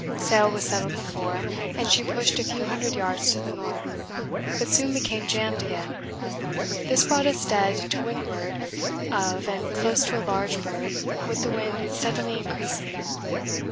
Sail was set on the fore, and she pushed a few hundred yards to the north, but soon became jammed again. This brought us dead to windward of and close to a large berg with the wind steadily increasing.